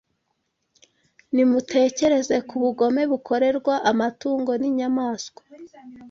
Nimutekereze ku bugome bukorerwa amatungo n’inyamaswa